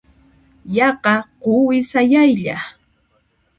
Yaqa quwi sayaylla.